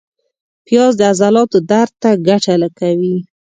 پیاز د عضلاتو درد ته ګټه کوي